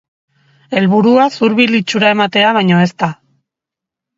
Helburua zurbil itxura ematea baino ezta.